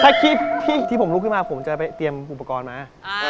ถ้าคิดที่ผมลุกมาจะไปเตรียมอุปกรณ์มา